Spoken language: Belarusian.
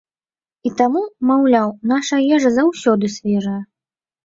І таму, маўляў, нашая ежа заўсёды свежая.